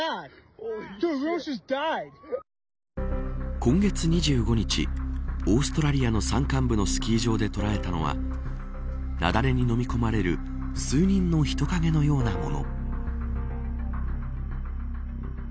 今月２５日オーストリアの山間部のスキー場で捉えたのは雪崩に飲み込まれる数人の人影のようなもの。